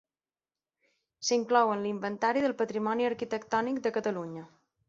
S'inclou en l'Inventari del Patrimoni Arquitectònic de Catalunya.